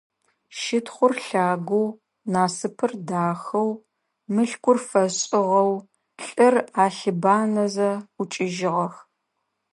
Щытхъур лъагэу, Насыпыр дахэу, Мылъкур фэшӏыгъэу, лӏыр алъыбанэзэ, ӏукӏыжьыгъэх.